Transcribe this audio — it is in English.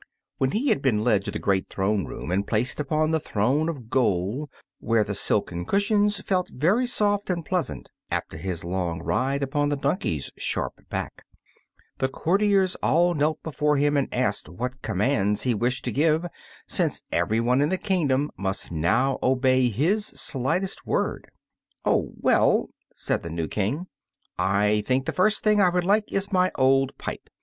When he had been led to the great throne room and placed upon the throne of gold (where the silken cushions felt very soft and pleasant after his long ride upon the donkey's sharp back) the courtiers all knelt before him and asked what commands he wished to give, since everyone in the kingdom must now obey his slightest word. "Oh well," said the new King, "I think the first thing I would like is my old pipe.